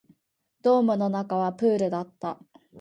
ドームの中はプールだった